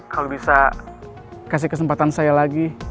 kalau bisa kasih kesempatan untuk berhubungan dengan bos saya